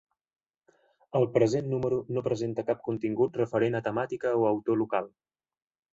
El present número no presenta cap contingut referent a temàtica o autor local.